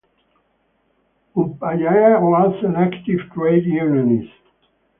Upadhyaya was an active trade unionist.